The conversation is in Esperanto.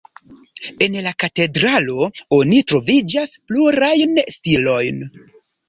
En la katedralo oni troviĝas plurajn stilojn.